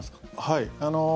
はい。